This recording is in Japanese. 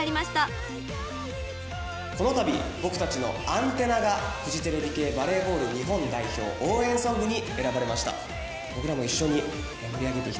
このたび僕たちの『ＡＮＴＥＮＮＡ』がフジテレビ系バレーボール日本代表応援ソングに選ばれました。